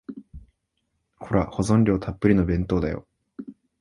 ほら、保存料たっぷりの弁当だよ。